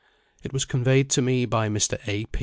It was conveyed to me by Mr. A.